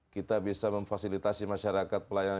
kita bisa memfasilitasi masyarakat pelayanan